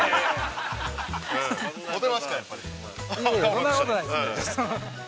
そんなことないですね。